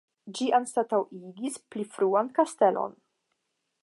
Ĝi anstataŭigis pli fruan kastelon.